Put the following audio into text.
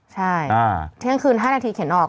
ที่ย่างคืน๕นาทีเข็นออก